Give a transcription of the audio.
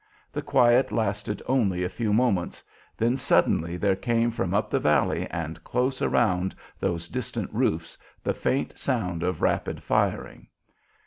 The quiet lasted only a few moments. Then suddenly there came from up the valley and close around those distant roofs the faint sound of rapid firing.